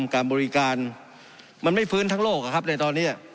การบริการมันไม่ฟื้นทั้งโลกอ่ะครับในตอนเนี้ย